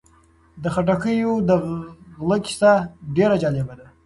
د خټکیو د غله کیسه ډېره جالبه ده.